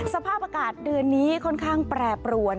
สภาพอากาศเดือนนี้ค่อนข้างแปรปรวน